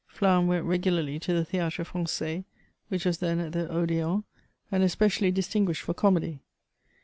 Flins went regularly to the Theatre Fran9ai8, which was then at the Od^n, and especially distinguished for comedy.